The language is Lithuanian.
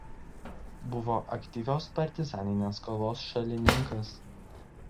Buvo aktyvios partizaninės kovos šalininkas.